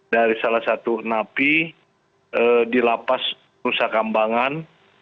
dari salah satu napi dilapas rusakambangan